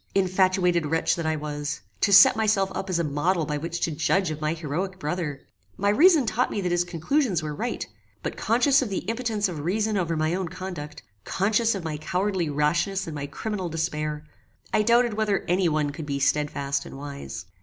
Infatuated wretch that I was! To set myself up as a model by which to judge of my heroic brother! My reason taught me that his conclusions were right; but conscious of the impotence of reason over my own conduct; conscious of my cowardly rashness and my criminal despair, I doubted whether any one could be stedfast and wise.